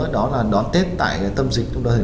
đó là đón tết tại tâm dịch